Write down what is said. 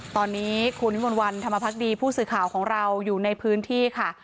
ตอนนี้คุณวิมวลวันธรรมพักดีผู้สื่อข่าวของเราอยู่ในพื้นที่ค่ะ